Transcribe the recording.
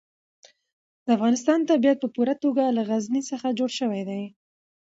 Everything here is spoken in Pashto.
د افغانستان طبیعت په پوره توګه له غزني څخه جوړ شوی دی.